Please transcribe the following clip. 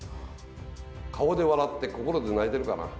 顔で笑って心で泣いてるかな。